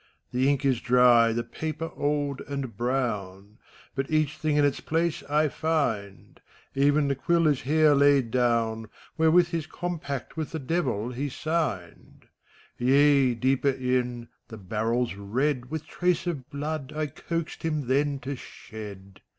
The ink is dry, the paper old and brown, But each thing in its place I find: Even the quill is here laid down. Wherewith his compact with the Devil he sigpied. Yea, deeper in, the barrel's red With trace of blood I coaxed him then to shed.